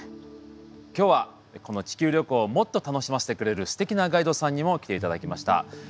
今日はこの地球旅行をもっと楽しませてくれるすてきなガイドさんにも来ていただきました。